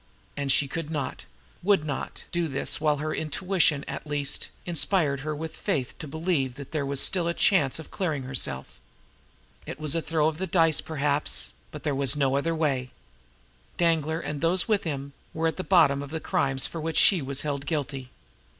And she could not, would not, do this while her intuition, at least, inspired her with the faith to believe that there was still a chance of clearing herself. It was the throw of the dice, perhaps but there was no other way. Danglar, and those with him, were at the bottom of the crime of which she was held guilty.